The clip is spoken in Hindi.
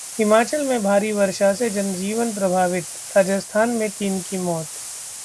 हिमाचल में भारी वर्षा से जन-जीवन प्रभावित, राजस्थान में तीन की मौत